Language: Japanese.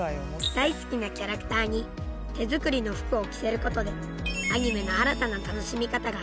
大好きなキャラクターに手作りの服を着せることでアニメの新たな楽しみ方が発見できたんだそう。